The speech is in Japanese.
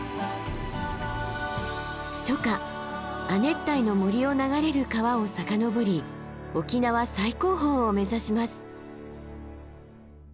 初夏亜熱帯の森を流れる川を遡り沖縄最高峰を目指します。